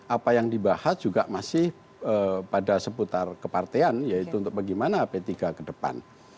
apa yang dibahas juga masih pada seputar kepartean yaitu untuk bagaimana p tiga ke depan